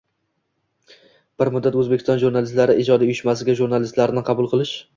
Bir muddat O'zbekiston jurnalistlari ijodiy uyushmasiga jurnalistlarni qabul qilish